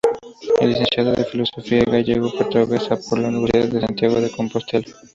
Es licenciado en Filología gallego-portuguesa por la Universidad de Santiago de Compostela.